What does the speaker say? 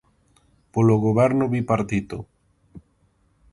Polo Goberno bipartito.